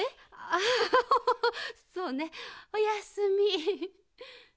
ああオホホそうねおやすみ。